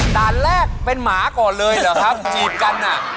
ด่านแรกเป็นหมาก่อนเลยเหรอครับจีบกันอ่ะ